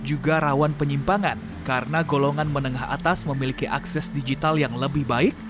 juga rawan penyimpangan karena golongan menengah atas memiliki akses digital yang lebih baik